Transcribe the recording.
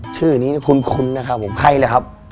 ชื่อนี้คุ้นนะครับผมใครเลยครับ